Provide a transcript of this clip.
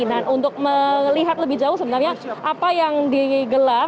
nah untuk melihat lebih jauh sebenarnya apa yang digelar